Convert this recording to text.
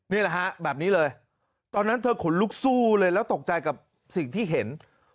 นี่แหละฮะแบบนี้เลยตอนนั้นเธอขนลุกสู้เลยแล้วตกใจกับสิ่งที่เห็น